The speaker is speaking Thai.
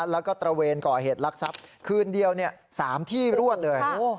แล้วก็ตระเวนก่อเหตุลักษณ์ทรัพย์คืนเดียวเนี่ยสามที่รวดเลยโอ้โห